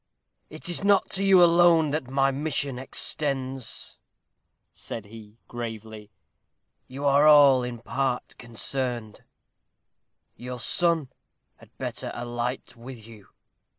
"It is not to you alone that my mission extends," said he, gravely; "you are all in part concerned; your son had better alight with you."